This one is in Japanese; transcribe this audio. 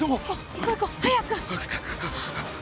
行こう行こう早く。